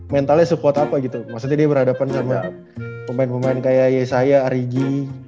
mentalnya support apa gitu maksudnya dia berhadapan sama pemain pemain kayak yesaya arigi